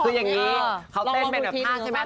คืออย่างนี้เขาเต้นเป็นแบบภาคใช่ไหม